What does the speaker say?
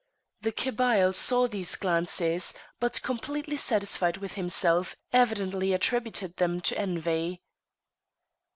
The Kabyle saw these glances, but, completely satisfied with himself, evidently attributed them to envy.